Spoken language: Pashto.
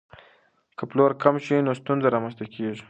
که پلور کم شي نو ستونزه رامنځته کیږي.